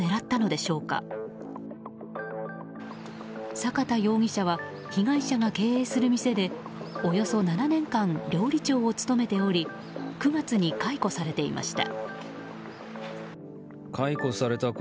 坂田容疑者は被害者が経営する店でおよそ７年間料理長を務めており９月に解雇されていました。